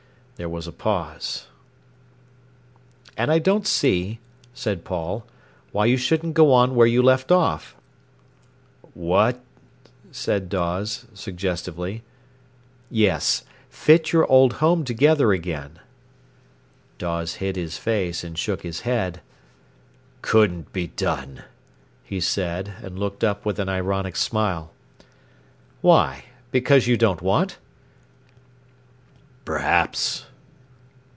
There was a pause. "And I don't see," said Paul, "why you shouldn't go on where you left off." "What—" said Dawes, suggestively. "Yes—fit your old home together again." Dawes hid his face and shook his head. "Couldn't be done," he said, and looked up with an ironic smile. "Why? Because you don't want?" "Perhaps."